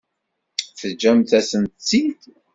Teǧǧam-asent-tt-id?